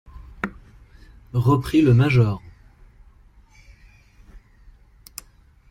Reprit le major.